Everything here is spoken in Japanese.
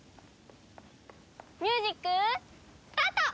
ミュージックスタート！